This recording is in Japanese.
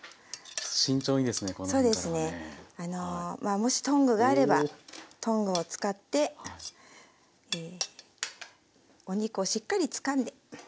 もしトングがあればトングを使ってお肉をしっかりつかんで下さい。